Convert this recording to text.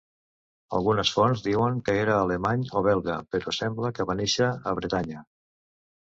Algunes fonts diuen que era alemany o belga, però sembla que va néixer a Bretanya.